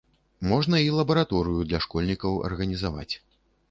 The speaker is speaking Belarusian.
Можна і лабараторыю для школьнікаў арганізаваць.